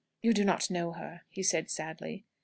"You do not know her," he said sadly.